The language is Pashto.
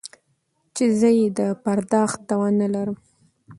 چې زه يې د پرداخت توانايي نه لرم.